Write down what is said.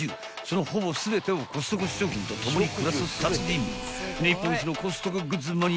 そのほぼ全てをコストコ商品と共に暮らす達人］